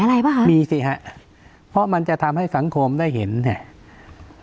อะไรป่ะคะมีสิฮะเพราะมันจะทำให้สังคมได้เห็นเนี่ย